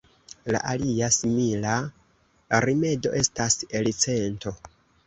La alia simila rimedo estas elcento.